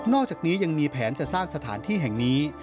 อกจากนี้ยังมีแผนจะสร้างสถานที่แห่งนี้